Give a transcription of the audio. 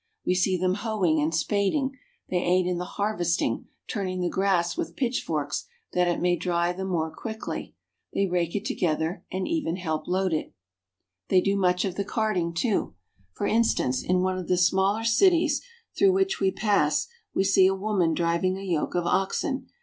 We see them hoeing and spad ing. They aid in the harvesting, turning the grass with pitchforks that it may dry the more quickly; they rake it together and even help load it. RURAL AND MANUFACTURING GERMANY. 225 "They do much of the carting, too." They do much of the carting, too. For instance, in one of the smaller cities through which we pass we see a woman driving a yoke of oxen.